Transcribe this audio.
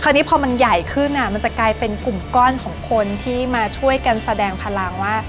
นี้พอมันใหญ่ขึ้นมันจะกลายเป็นกลุ่มก้อนของคนที่มาช่วยกันแสดงพลังว่า